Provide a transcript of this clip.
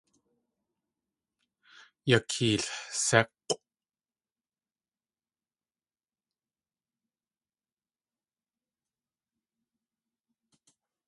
Yakeelsék̲ʼw!